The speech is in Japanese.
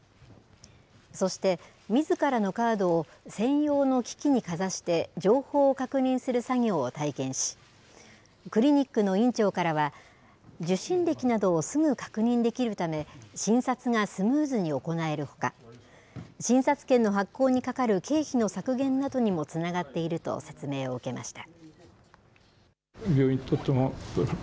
そして、みずからのカードを専用の機器にかざして、情報を確認する作業を体験し、クリニックの院長からは、受診歴などをすぐ確認できるため、診察がスムーズに行えるほか、診察券の発行にかかる経費の削減などにもつながっていると説明を受けました。